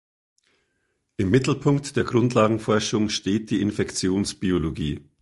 Im Mittelpunkt der Grundlagenforschung steht die Infektionsbiologie.